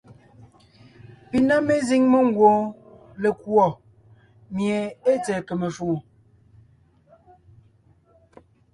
Pi ná mezíŋ mengwoon lekùɔ mie ée tsɛ̀ɛ kème shwòŋo.